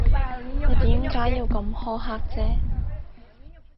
你點解要咁苛刻啫？